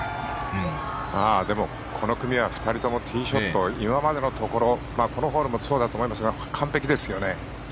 この組は２人ともティーショット今までのところ、このホールもそうだと思いますが完璧ですよね。